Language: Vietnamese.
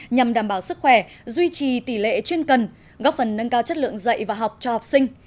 nhằm đảm bảo sức khỏe duy trì tỷ lệ chuyên cần góp phần nâng cao chất lượng dạy và học cho học sinh